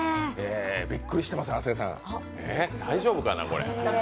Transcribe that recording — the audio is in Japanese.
びっくりしてます、亜生さん、大丈夫かな、これ。